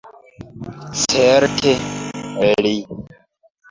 Certe, li.